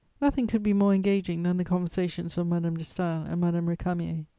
"Nothing could be more engaging than the conversations of Madame de Staël and Madame Récamier.